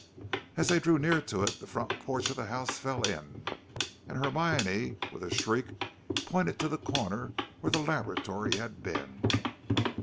As they drew near to it the front of the house fell in, and Hermione, with a shriek, pointed to the corner where the laboratory had been.